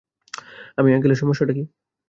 আর এই আঙ্কেলের সমস্যাটা কী?